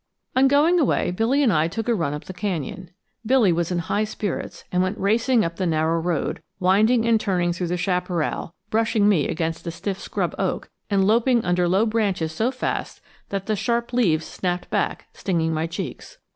On going away, Billy and I took a run up the canyon. Billy was in high spirits, and went racing up the narrow road, winding and turning through the chaparral, brushing me against the the stiff scrub oak and loping under low branches so fast that the sharp leaves snapped back, stinging my cheeks.